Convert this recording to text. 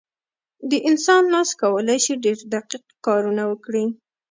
د انسان لاس کولی شي ډېر دقیق کارونه وکړي.